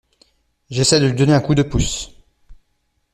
J’essaie de lui donner un coup de pouce.